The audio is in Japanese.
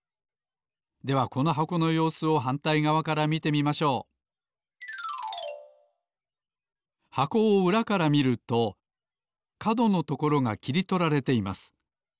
ではこの箱のようすをはんたいがわから見てみましょう箱をうらから見るとかどのところがきりとられています。